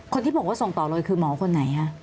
คนที่บอกว่าส่งต่อเลยคือหมอคนไหนคะ